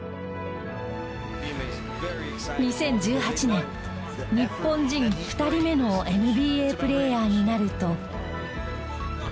２０１８年日本人２人目のＮＢＡプレーヤーになると。